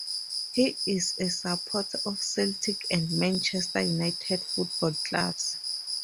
He is a supporter of Celtic and Manchester United football clubs.